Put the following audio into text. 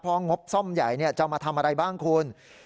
พองบซ่อมใหญ่เนี่ยจะมาทำอะไรบ้างคุณ